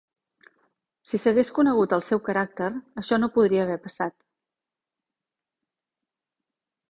Si s'hagués conegut el seu caràcter, això no podria haver passat.